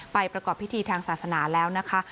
ประกอบพิธีทางศาสนาแล้วนะคะ